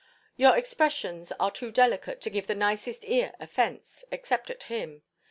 Your expressions are too delicate to give the nicest ear offence, except at him.